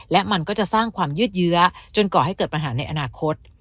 และมันก็จะสร้างความยืดเยื้อจนก่อให้เกิดปัญหาในอนาคต